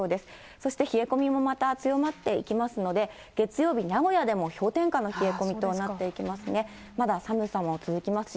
そして冷え込みもまた強まっていきますので、月曜日、名古屋でも氷点下の冷え込みとなっていきますね。